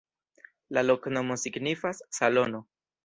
La loknomo signifas: salono.